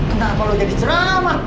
kenapa lo jadi ceramah